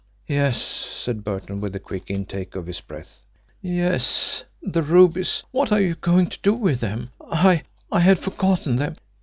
"Yes," said Burton, with a quick intake of his breath. "Yes the rubies what are you going to do with them? I I had forgotten them.